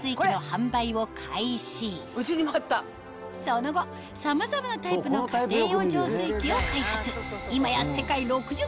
その後さまざまなタイプの家庭用浄水器を開発